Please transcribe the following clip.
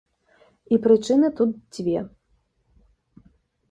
І прычыны тут дзве.